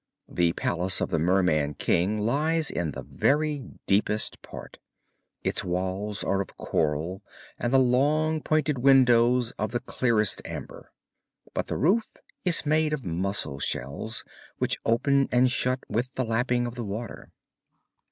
The palace of the Merman King lies in the very deepest part; its walls are of coral and the long pointed windows of the clearest amber, but the roof is made of mussel shells which open and shut with the lapping of the water.